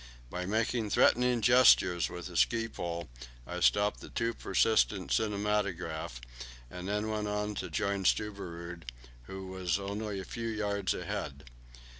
By making threatening gestures with a ski pole I stopped the too persistent cinematograph, and then went on to join Stubberud, who was only a few yards ahead.